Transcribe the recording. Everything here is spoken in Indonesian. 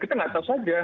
kita tidak tahu saja